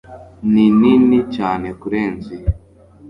ninini cyane kurenza iyo